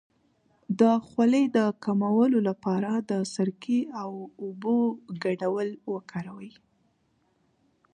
د خولې د کمولو لپاره د سرکې او اوبو ګډول وکاروئ